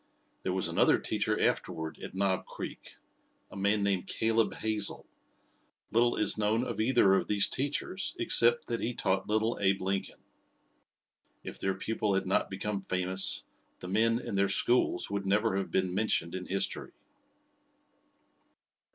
There was another teacher afterward at Knob Creek a man named Caleb Hazel. Little is known of either of these teachers except that he taught little Abe Lincoln. If their pupil had not become famous the men and their schools would never have been mentioned in history.